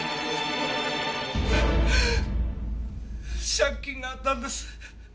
借金があったんです。